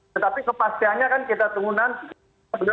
tetapi kepastiannya kan kita tunggu nanti